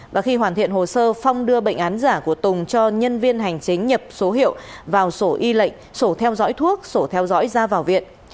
và khi hoàn thiện hồ sơ phong đưa bệnh án giả của tùng cho nhân viên hành chính nhập số hiệu vào sổ y lệnh sổ theo dõi thuốc sổ theo dõi ra vào viện